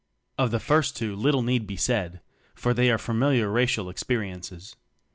Of the first two little need be said, for they are familiar racial experi ences.